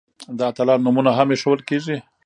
د اتلانو نومونه هم ایښودل کیږي.